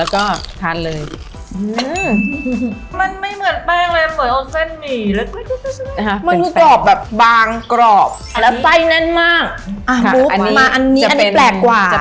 กล่องอีกแล้ว